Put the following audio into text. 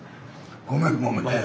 ごめんごめん。